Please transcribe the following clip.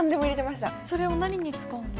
それを何に使うの？